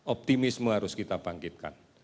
optimisme harus kita bangkitkan